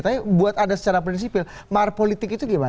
tapi buat anda secara prinsipil mahar politik itu gimana